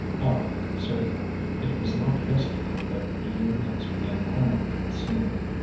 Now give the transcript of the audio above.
Ah, certainly: it was not yesterday that he and his began hammering at the seam.